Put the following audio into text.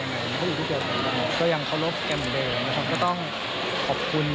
อายุเราก็มากขึ้นละด้วย